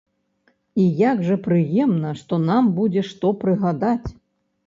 І як жа прыемна, што нам будзе што прыгадаць.